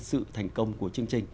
sự thành công của chương trình